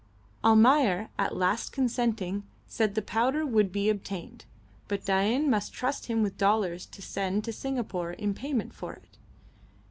Almayer, at last consenting, said the powder would be obtained, but Dain must trust him with dollars to send to Singapore in payment for it.